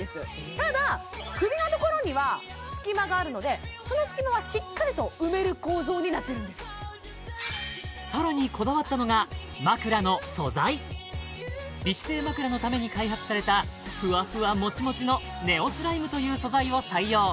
ただ首のところには隙間があるのでその隙間はしっかりと埋める構造になっているんですさらにこだわったのが枕の素材美姿勢まくらのために開発されたふわふわモチモチのネオスライムという素材を採用